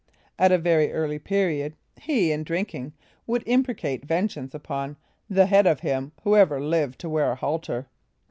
At a very early period, he, in drinking, would imprecate vengeance upon "the head of him who ever lived to wear a halter."